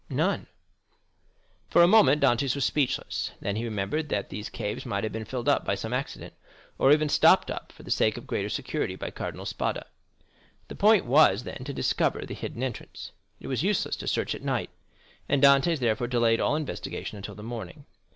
"None." For a moment Dantès was speechless; then he remembered that these caves might have been filled up by some accident, or even stopped up, for the sake of greater security, by Cardinal Spada. The point was, then, to discover the hidden entrance. It was useless to search at night, and Dantès therefore delayed all investigation until the morning.